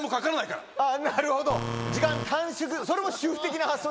あぁなるほど時間短縮それも主婦的な発想。